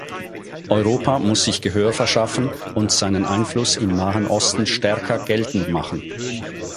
Europa muss sich Gehör verschaffen und seinen Einfluss im Nahen Osten stärker geltend machen.